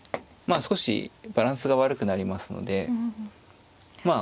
あ少しバランスが悪くなりますのでまあ